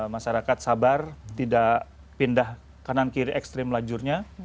masyarakat sabar tidak pindah kanan kiri ekstrim lajurnya